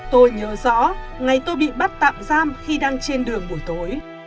tôi nhớ rõ ngày tôi bị bắt tạm giam khi đang trên đường buổi tối